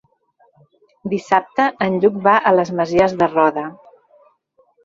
Dissabte en Lluc va a les Masies de Roda.